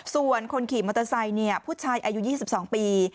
ส่วนคนขี่มอเตอร์ไซค์ผู้ชายอายุ๒๒ปี